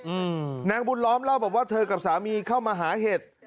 อืมนางบุญล้อมเล่าบอกว่าเธอกับสามีเข้ามาหาเห็ด